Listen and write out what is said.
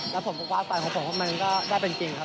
และผมก็วาดฝันของผมมันก็ได้เป็นจริงครับ